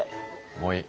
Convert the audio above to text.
もういい。